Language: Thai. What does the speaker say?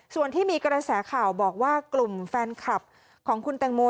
ส่วนที่มีกระแสข่าวบอกว่ากลุ่มแฟนคลับของคุณแตงโม